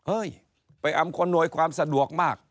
ไปอำนวยความสะดวกมาก